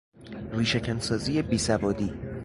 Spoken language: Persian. ریشه کن سازی بیسوادی